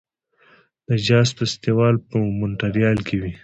د جاز فستیوال په مونټریال کې وي.